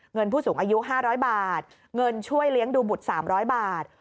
ผู้สูงอายุ๕๐๐บาทเงินช่วยเลี้ยงดูบุตร๓๐๐บาท